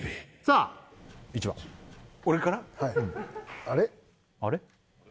あれ？